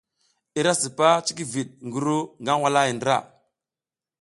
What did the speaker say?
I ra sipas cikivid ngi ru nag walahay ndra.